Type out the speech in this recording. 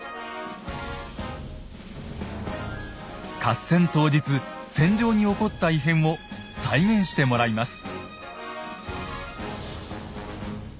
合戦当日戦場に起こった異変を再現してもらいます。